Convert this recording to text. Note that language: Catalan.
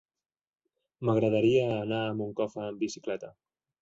M'agradaria anar a Moncofa amb bicicleta.